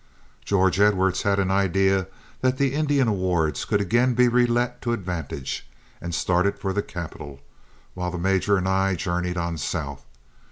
George Edwards had an idea that the Indian awards could again be relet to advantage, and started for the capital, while the major and I journeyed on south.